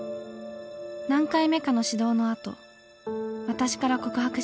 何回目かの指導のあと私から告白しました。